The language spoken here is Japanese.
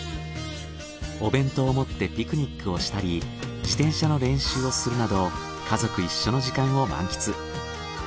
お弁当を持ってピクニックをしたり自転車の練習をするなど家族一緒の時間を満喫。